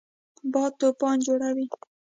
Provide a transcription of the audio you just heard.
باد طوفان جوړوي